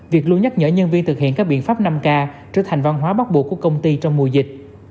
việc luôn nhắc nhở nhân viên thực hiện các biện pháp năm k trở thành văn hóa bắt buộc của công ty trong mùa dịch